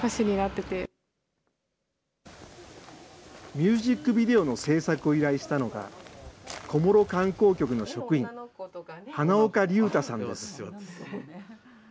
ミュージックビデオの制作を依頼したのが、こもろ観光局の職員、花岡隆太さんです。